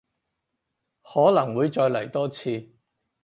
可能會再嚟多次